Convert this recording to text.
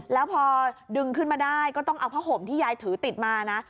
แล้วพอดึงขึ้นมาได้ก็ต้องเอาผ้าห่มที่ยายถือติดมานะ